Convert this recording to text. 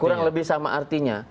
kurang lebih sama artinya